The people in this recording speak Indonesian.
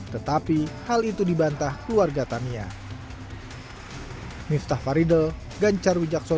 tetapi hal itu dibantah keluarga tamia